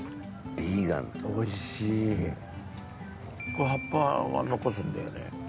これ葉っぱは残すんだよね？